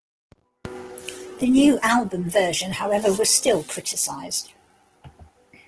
The new album version however was still criticised.